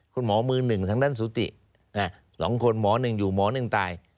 มือหนึ่งทางด้านสุติ๒คนหมอหนึ่งอยู่หมอหนึ่งตาย